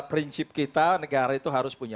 prinsip kita negara itu harus punya